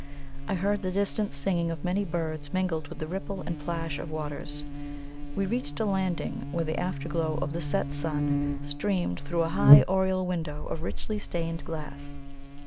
I heard the distant singing of many birds mingled with the ripple and plash of waters. We reached a landing where the afterglow of the set sun streamed through a high oriel window of richly stained glass.